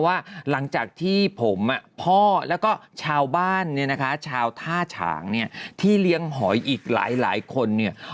ว่าหลังจากที่ผมพ่อแล้วก็ชาวบ้านเนี่ยนะคะชาวท่าฉางเนี่ยที่เลี้ยงหอยอีกหลายคนเนี่ย